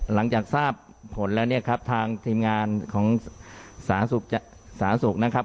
หลังจากทราบผลแล้วเนี่ยครับทางทีมงานของสาธารณสุขนะครับ